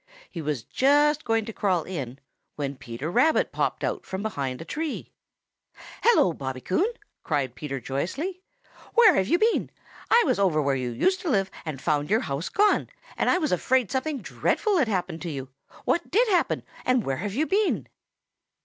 He was just going to crawl in, when Peter Rabbit popped out from behind a tree. "Hello, Bobby Coon!" cried Peter joyously. "Where have you been? I was over where you used to live and found your house gone, and I was afraid something dreadful had happened to you. What did happen, and where have you been?"